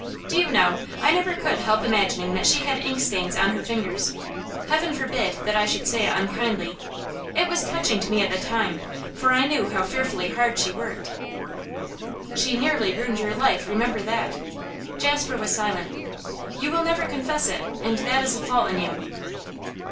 Do you know, I never could help imagining that she had ink stains on her fingers. Heaven forbid that I should say it unkindly! It was touching to me at the time, for I knew how fearfully hard she worked.' 'She nearly ruined your life; remember that.' Jasper was silent. 'You will never confess it, and that is a fault in you.